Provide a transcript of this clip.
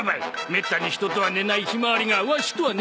めったに人とは寝ないひまわりがワシとは寝たばい。